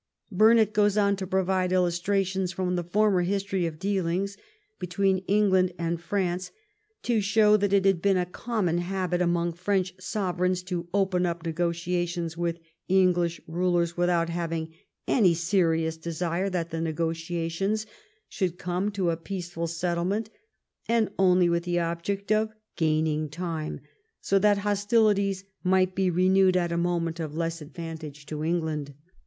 Burnet goes on to provide illustrations from the 362 WHAT THE WAR WAS COMING TO former history of dealings between England and France to show that it had been a common habit among French sovereigns to open up negotiations with English rulers without having any serious desire that the ne gotiations should come to a peaceful settlement, and only with the object of gaining time so that hostilities might be renewed at a moment of less advantage to England.